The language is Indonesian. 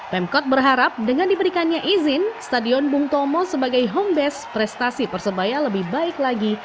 pemkot berharap dengan diberikannya izin stadion bung tomo sebagai home base prestasi persebaya lebih baik lagi